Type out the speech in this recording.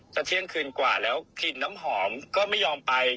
เที่ยงคืนกว่าแล้วกินน้ำหอมก็ไม่ยอมไป